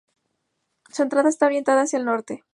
Su entrada está orientada hacia el norte.